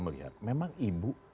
melihat memang ibu